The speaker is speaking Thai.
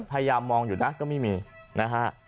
พยายามมองอยู่นะก็ไม่มีนะฮะ